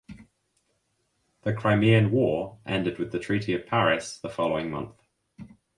The Crimean War ended with the Treaty of Paris the following month.